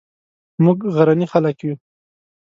موږ غرني خلک یو